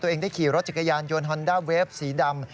ตัวเองได้ขี่รถจักรยานยนต์ฮอนด้าเวฟสีดำ